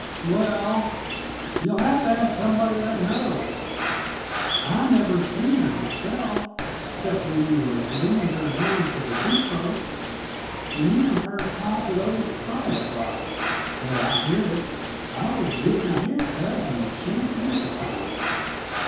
"Well, you'll have to ask somebody that knows. I never seen her, myself, except when you was leadin' her down to the depot, and you and her talked it over private like the way I heard it. I was gitting a hair cut and shampoo at the time.